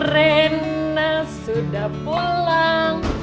rena sudah pulang